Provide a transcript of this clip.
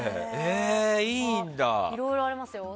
いろいろありますよ。